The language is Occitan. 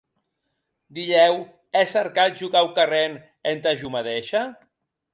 Dilhèu è cercat jo quauquarren entà jo madeisha?